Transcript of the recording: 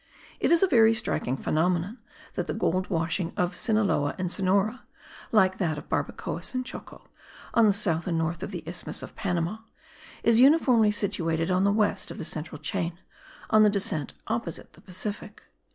It is a very striking phenomenon that the gold washing of Cinaloa and Sonora, like that of Barbacoas and Choco on the south and north of the isthmus of Panama, is uniformly situated on the west of the central chain, on the descent opposite the Pacific.